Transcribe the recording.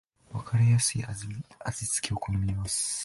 わかりやすい味付けを好みます